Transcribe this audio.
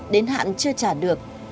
đến hạn chưa trả được